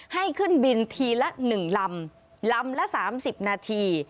ให้ขึ้นบินทีละ๑ลำลำละ๓๐นาที